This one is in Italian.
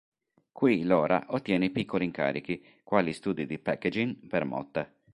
Qui Lora ottiene piccoli incarichi, quali studi di packaging per Motta.